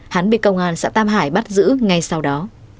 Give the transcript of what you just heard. hắn bị công an xã tam hải bắt giữ ngay sau đó